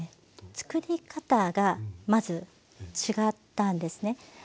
作り方がまず違ったんですね。